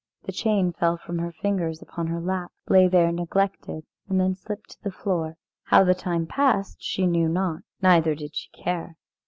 The chain fell from her fingers upon her lap, lay there neglected, and then slipped to the floor. How the time passed she knew not, neither did she care.